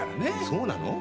そうなの？